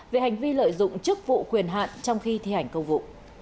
về hành vi lợi dụng chức vụ quyền hạn trong khi thi hành công vụ